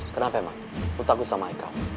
kenapa emang lu takut sama aikal